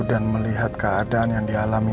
dan melihat keadaan yang dialami